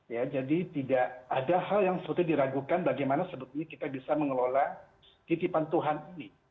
ya jadi tidak ada hal yang sebetulnya diragukan bagaimana sebetulnya kita bisa mengelola titipan tuhan ini